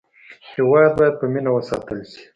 هېواد باید په مینه وساتل شي.